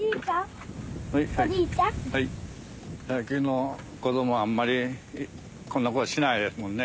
最近の子どもはあんまりこんなことしないですもんね。